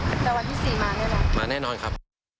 วันที่๔มาได้มั้ยครับมาแน่นอนครับ